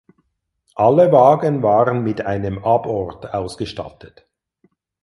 Alle Wagen waren mit einem Abort ausgestattet.